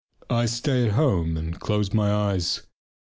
I stay at home and close my eyes.